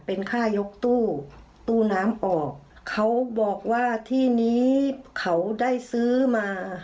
เป็นค่ายกตู้ตู้น้ำออกเขาบอกว่าที่นี้เขาได้ซื้อมา